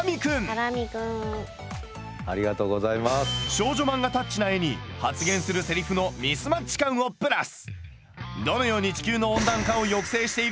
少女漫画タッチな絵に発言するセリフのミスマッチ感をプラス！